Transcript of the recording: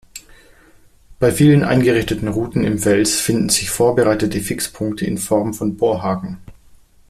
Bei vielen eingerichteten Routen im Fels finden sich vorbereitete Fixpunkte in Form von Bohrhaken.